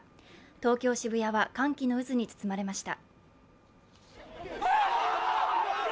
東京・渋谷は歓喜の渦に包まれました。